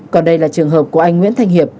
còn đây là trường hợp của anh nguyễn thịnh